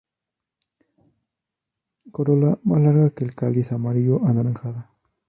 Corola más larga que el cáliz, amarillo-anaranjada.